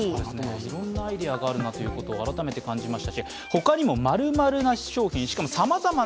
いろんなアイデアがあるなということを改めて感じました。